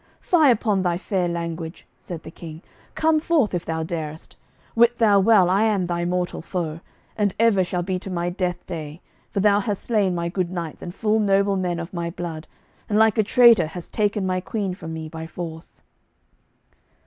"Fie upon thy fair language," said the King; "come forth, if thou darest. Wit thou well, I am thy mortal foe, and ever shall be to my death day, for thou hast slain my good knights and full noble men of my blood, and like a traitor hast taken my Queen from me by force."